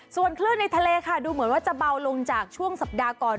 ส่วนคลื่นในทะเลค่ะดูเหมือนว่าจะเบาลงจากช่วงสัปดาห์ก่อน